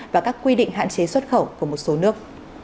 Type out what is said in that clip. và các quy định hạn chế xuất khẩu của một số nước